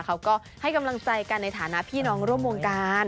เขาก็ให้กำลังใจกันในฐานะพี่น้องร่วมวงการ